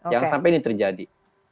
jangan sampai ini terjadi